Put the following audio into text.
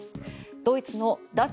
ドイツの脱